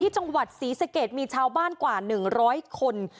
ที่จังหวัดศรีสเกษมีชาวบ้านกว่าหนึ่งร้อยคน